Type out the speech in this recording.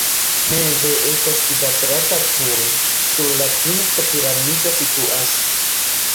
Meze estas kvadrata turo, sur la pinto piramido situas.